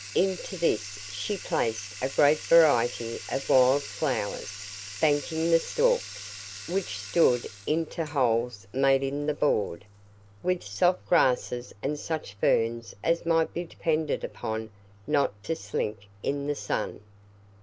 Into this she placed a great variety of wild flowers, banking the stalks, which stood into holes made in the board, with soft grasses and such ferns as might be depended upon not to "slink" in the sun.